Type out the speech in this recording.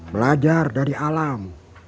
belajar dari alam